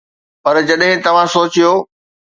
پر جڏهن توهان سوچيو.